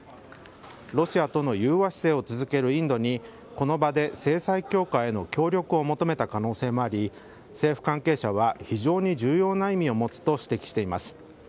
ロシアとの融和姿勢を続けるインドにこの場で制裁強化への協力を求めた可能性もあり政府関係者は非常に重要な意味を持つと指摘しています。